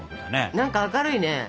何か明るいね。